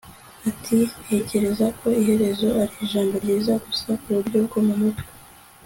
ati: ntekereza ko 'iherezo' ari ijambo ryiza gusa ku buryo bwo mu mutwe